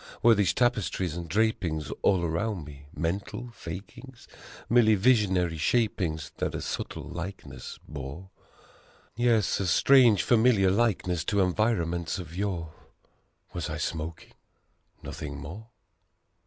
Were these tapestries and drapings all around me mental fakings? Merely visionary shapings that a subtle likeness bore Yes, a strange familiar likeness to environments of yore? Was I smoking nothing more?